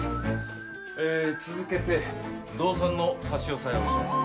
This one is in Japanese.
えー続けて動産の差し押さえをします。